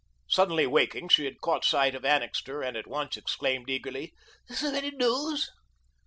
Suddenly waking, she had caught sight of Annixter, and at once exclaimed eagerly: "Is there any news?"